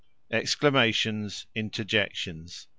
EXCLAMATIONS. INTERJECTIONS.